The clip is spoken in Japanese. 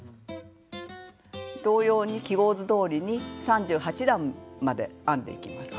同様に記号図どおりに３８段まで編んでいきます。